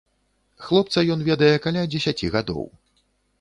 Хлопца ён ведае каля дзесяці гадоў.